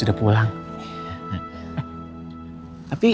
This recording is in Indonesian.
sampai jumpa orang lain yuk